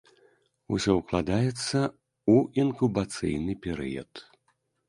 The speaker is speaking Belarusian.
Усё укладаецца ў інкубацыйны перыяд.